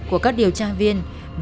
của các điều tra viện này